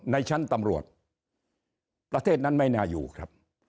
ในชั้นตำรวจประเทศนั้นไม่น่าอยู่ครับ